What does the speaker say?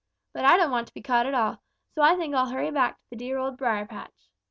But I don't want to be caught at all, so I think I'll hurry back to the dear Old Briar patch."